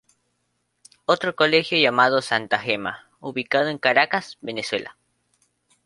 Otro Colegio llamado "Santa Gema", ubicado en Caracas, Venezuela.